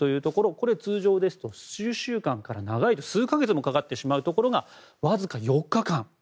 これは通常ですと数週間から長いと数か月かかってしまうことがわずか４日間。